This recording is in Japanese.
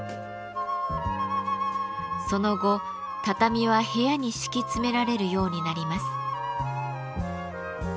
その後畳は部屋に敷き詰められるようになります。